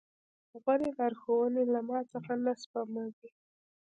غورې لارښوونې له ما څخه نه سپموي.